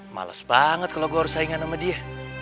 males banget kalau gue harus saingan sama dia